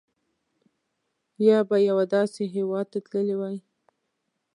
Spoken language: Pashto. یا به یوه داسې هېواد ته تللي وای.